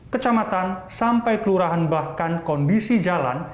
kecamatan sampai kelurahan bahkan kondisi jalan